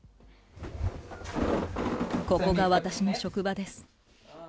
ここが私の職場です。